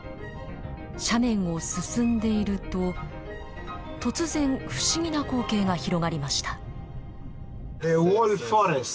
斜面を進んでいると突然不思議な光景が広がりました。